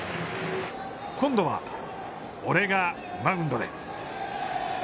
今度は、俺がマウンドで！